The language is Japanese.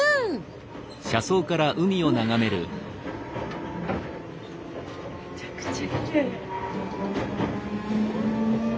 うわめちゃくちゃきれい。